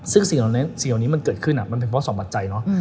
ซึ่งสิ่งเหล่านี้มันเกิดขึ้นมันเป็นเพราะ๒บัตรใจเนอะ